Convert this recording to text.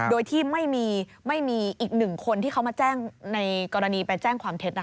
โดยที่ไม่มีอีกหนึ่งคนที่เขามาแจ้งในกรณีไปแจ้งความเท็จ